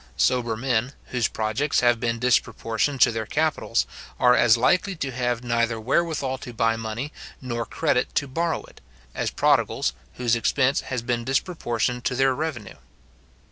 Sober men, whose projects have been disproportioned to their capitals, are as likely to have neither wherewithal to buy money, nor credit to borrow it, as prodigals, whose expense has been disproportioned to their revenue.